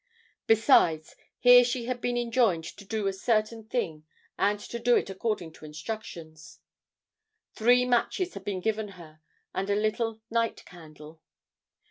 Besides, here she had been enjoined to do a certain thing and to do it according to instructions. Three matches had been given her and a little night candle.